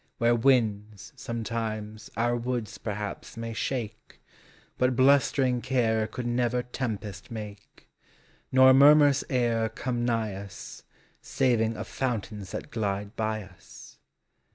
Where winds, sometimes, our woods perhaps may shake, But blustering care could never tempest make; Nor murmurs e'er come nigh us. Saving of fountains thai glide by as.